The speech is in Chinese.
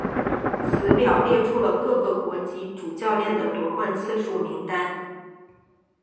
此表列出了各个国籍主教练的夺冠次数名单。